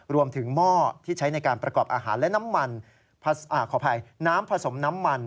รวมถึงหม้อที่ใช้ในการประกอบอาหารและน้ำผสมน้ำมัน